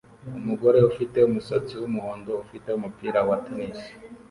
Umugore ufite umusatsi wumuhondo ufite umupira wa tennis